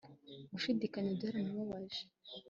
Gushidikanya byaramubabaje